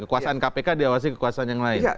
kekuasaan kpk diawasi kekuasaan yang lain